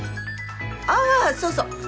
ああそうそう。